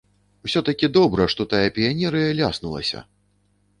Усё-такі добра, што тая піянерыя ляснулася!